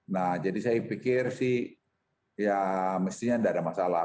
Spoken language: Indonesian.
nah jadi saya pikir sih ya mestinya tidak ada masalah